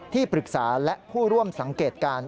ที่ปรึกษาและผู้ร่วมสังเกตการณ์